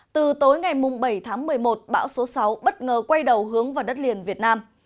từ tối ngày bảy tháng một mươi một bão số sáu bất ngờ quay đầu hướng vào đất liền việt nam